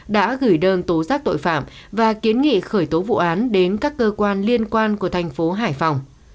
đã gửi đơn tố giác tội phạm và kiến nghị khởi tố vụ án đến các cơ quan liên quan của thành phố hải phòng